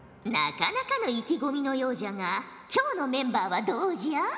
なかなかの意気込みのようじゃが今日のメンバーはどうじゃ？